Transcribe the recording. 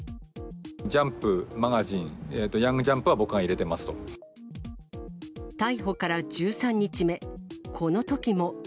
ジャンプ、マガジン、ヤング逮捕から１３日目、このときも。